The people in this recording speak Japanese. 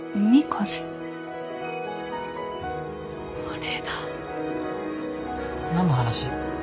これだ。何の話？